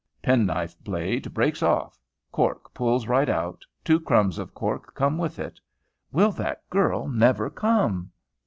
Penknife blade breaks off, fork pulls right out, two crumbs of cork come with it. Will that girl never come?